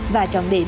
và trọng điểm